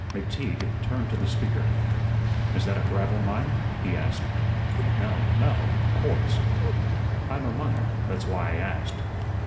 McTeague turned to the speaker. "Is that a gravel mine?" he asked. "No, no, quartz." "I'm a miner; that's why I asked."